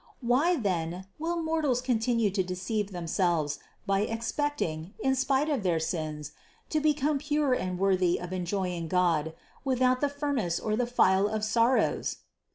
Why then will mortals continue to deceive themselves, by expecting, in spite of their sins, to become pure and worthy of en joying God, without the furnace or the file of sorrows?